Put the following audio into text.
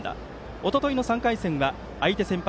おとといの３回戦は相手先発